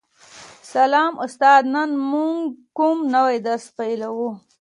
سلام استاده نن موږ کوم نوی درس پیلوو